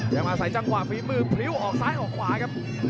ยังอาศัยจังหวะฝีมือพลิ้วออกซ้ายออกขวาครับ